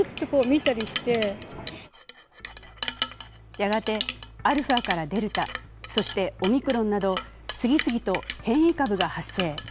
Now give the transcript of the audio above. やがてアルファからデルタ、そしてオミクロンなど次々と変異株が発生。